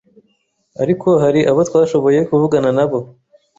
ariko hari abo twashoboye kuvugana nabo.